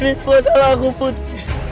ini salah aku putri